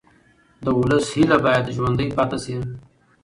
د ولس هیله باید ژوندۍ پاتې شي